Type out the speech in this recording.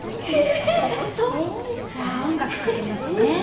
本当？じゃあ音楽かけますね。